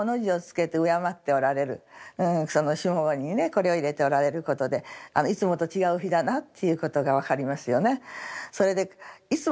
その下五にねこれを入れておられることでいつもと違う日だなということが分かりますよね。